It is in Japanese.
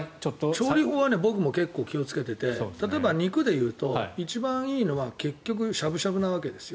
調理法は僕も結構気をつけていて例えば肉でいうと一番いいのは結局、しゃぶしゃぶなわけです。